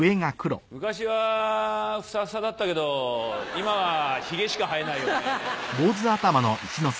昔はフサフサだったけど今はひげしか生えないよね。